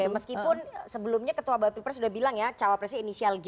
meskipun sebelumnya ketua bapil pres sudah bilang ya cawapresnya inisial g